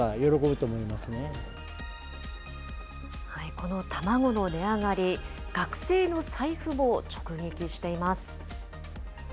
この卵の値上がり、学生の財布も直撃しています。